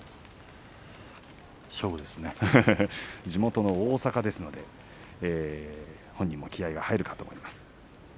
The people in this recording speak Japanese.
地元の大阪ですので本人も気合いが入るかと思います。